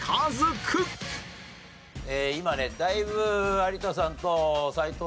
今ねだいぶ。